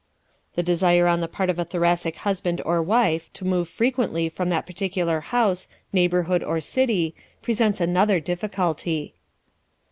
¶ The desire on the part of a Thoracic husband or wife to move frequently from that particular house, neighborhood, or city presents another difficulty.